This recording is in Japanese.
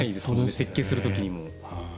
設計する時にも。